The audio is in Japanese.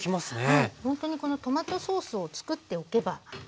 ほんとにこのトマトソースをつくっておけばすぐに。